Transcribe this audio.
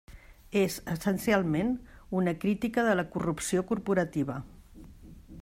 És, essencialment, una crítica de la corrupció corporativa.